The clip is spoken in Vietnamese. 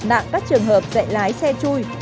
và trật nạn các trường hợp dạy lái xe chui